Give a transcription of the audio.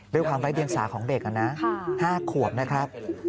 ด้วยความไร้เดียงสาของเด็กนะ๕ขวบนะครับ